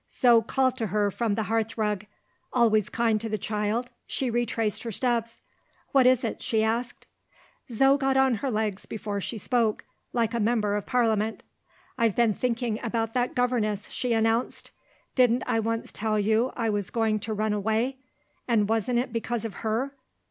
Zo called to her from the hearth rug. Always kind to the child, she retraced her steps. "What is it?" she asked. Zo got on her legs before she spoke, like a member of parliament. "I've been thinking about that governess," she announced. "Didn't I once tell you I was going to run away? And wasn't it because of Her?